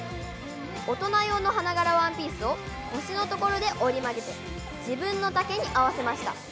オトナ用の花柄ワンピースを腰のところで折り曲げて自分の丈に合わせました」。